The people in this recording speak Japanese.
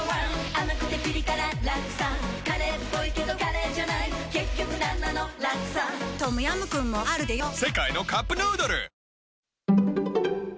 甘くてピリ辛ラクサカレーっぽいけどカレーじゃない結局なんなのラクサトムヤムクンもあるでヨ世界のカップヌードル